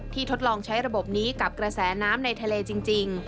ทดลองใช้ระบบนี้กับกระแสน้ำในทะเลจริง